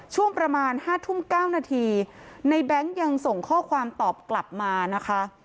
ช่วงประมาณ๕ทุ่ม๙นาทีในแบงค์ยังส่งข้อความตอบกลับมานะคะ